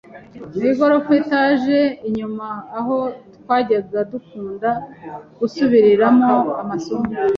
mu igorofa (etage) inyuma aho twajyaga dukunda gusubiriramo amasomo (